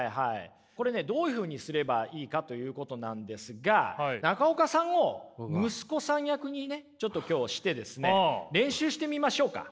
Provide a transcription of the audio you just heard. これねどういうふうにすればいいかということなんですが中岡さんを息子さん役にねちょっと今日してですね練習してみましょうか。